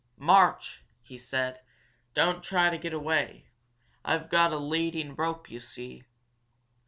"March!" he said. "Don't try to get away I've got a leading rope, you see."